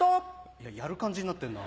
いややる感じになってるな。